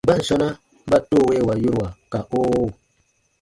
Mban sɔ̃na ba “toowewa” yorua ka “oo”?